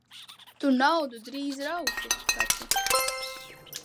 Tu naudu drīz rausi taču.